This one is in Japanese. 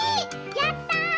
やったぁ！